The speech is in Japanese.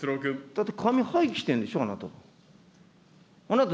だって紙廃棄してるんでしょ、あなた。